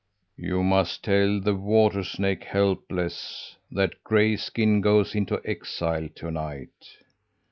"You may tell the water snake, Helpless, that Grayskin goes into exile to night!"